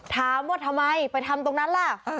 ถามว่าทำไมไปทำตรงนั้นล่ะ